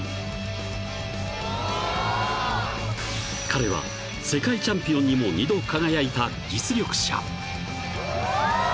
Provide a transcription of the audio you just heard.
［彼は世界チャンピオンにも２度輝いた実力者］